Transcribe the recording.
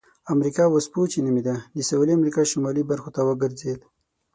امریکا وسپوچې نومیده د سویلي امریکا شمالي برخو ته وګرځېد.